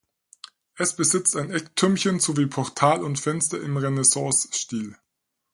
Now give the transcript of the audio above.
Es besitzt ein Ecktürmchen sowie Portal und Fenster im Renaissancestil.